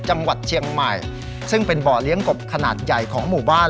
จังหวัดเชียงใหม่ซึ่งเป็นบ่อเลี้ยงกบขนาดใหญ่ของหมู่บ้าน